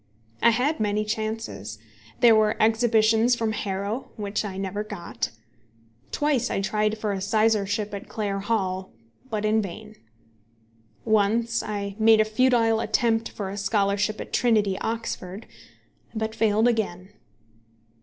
I had many chances. There were exhibitions from Harrow which I never got. Twice I tried for a sizarship at Clare Hall, but in vain. Once I made a futile attempt for a scholarship at Trinity, Oxford, but failed again.